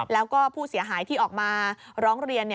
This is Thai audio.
แล้วก็ผู้เสียหายที่ออกมาร้องเรียน